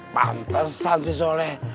pantesan sih soleh